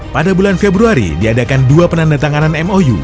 pada bulan februari diadakan dua penandatanganan mou